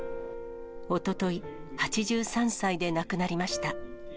おととい、８３歳で亡くなりました。